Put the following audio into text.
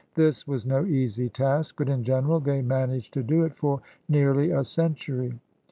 This was no easy task, but in general they managed to do it for nearly a century.